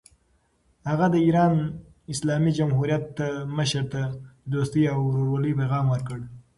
هغه د ایران اسلامي جمهوریت مشر ته د دوستۍ او ورورولۍ پیغام ورکړ.